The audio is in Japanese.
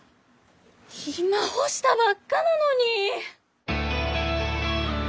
今干したばっかなのにぃ！